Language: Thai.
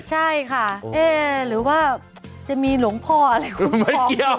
ใช่ค่ะหรือว่าจะมีหลวงพ่ออะไรคุ้มครอง